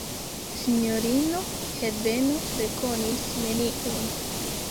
Sinjorino Herbeno rekonis neniun.